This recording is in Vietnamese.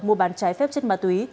mua bán trái phép chất ma túy